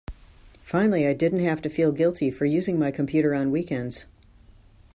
Finally I didn't have to feel guilty for using my computer on weekends.